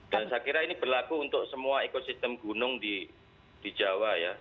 dan saya kira ini berlaku untuk semua ekosistem gunung di jawa ya